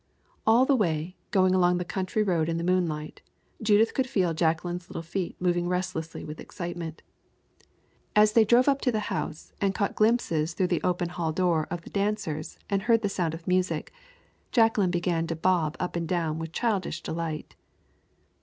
All the way, going along the country road in the moonlight, Judith could feel Jacqueline's little feet moving restlessly with excitement. As they drove up to the house, and caught glimpses through the open hall door of the dancers and heard the sound of music, Jacqueline began to bob up and down with childish delight.